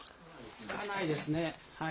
つかないですね、はい。